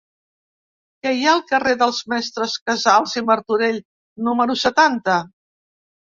Què hi ha al carrer dels Mestres Casals i Martorell número setanta?